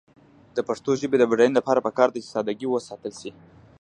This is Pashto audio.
د پښتو ژبې د بډاینې لپاره پکار ده چې ساده ګي وساتل شي.